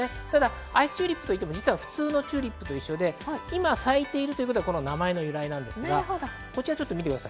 アイスチューリップといっても普通のチューリップと一緒で、今咲いているということが名前の由来です。